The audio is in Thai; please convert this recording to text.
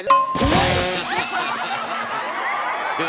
ถูก